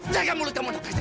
jaga mulut kamu dokter